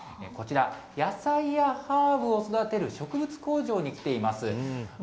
こちら、野菜やハーブを育てる植物工場に来ています。